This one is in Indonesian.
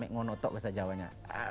ngonotok bahasa jawanya